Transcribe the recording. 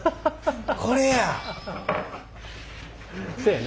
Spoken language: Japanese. これや！